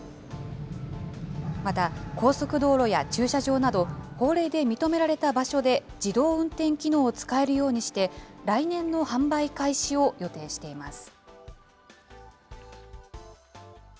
また、高速道路や駐車場など、法令で認められた場所で自動運転機能を使えるようにして、来年の販売開始を予定しています。